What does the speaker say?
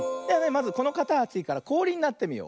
まずこのかたちからこおりになってみよう。